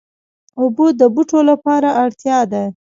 اوبه د بوټو لپاره اړتیا ده.